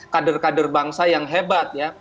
kader kader bangsa yang hebat ya